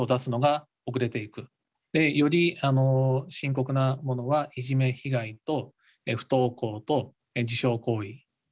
でより深刻なものはいじめ被害と不登校と自傷行為ですね。